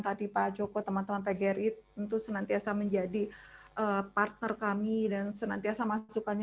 tadi pak joko teman teman pgri tentu senantiasa menjadi partner kami dan senantiasa masukannya